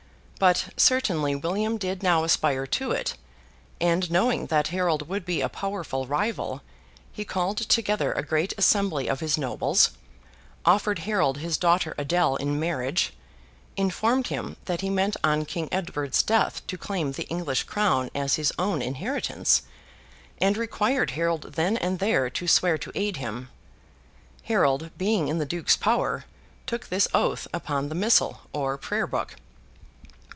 But, certainly William did now aspire to it; and knowing that Harold would be a powerful rival, he called together a great assembly of his nobles, offered Harold his daughter Adele in marriage, informed him that he meant on King Edward's death to claim the English crown as his own inheritance, and required Harold then and there to swear to aid him. Harold, being in the Duke's power, took this oath upon the Missal, or Prayer book.